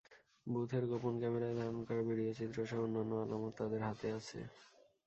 বুথের গোপন ক্যামেরায় ধারণ করা ভিডিও চিত্রসহ অন্যান্য আলামত তাঁদের হাতে আছে।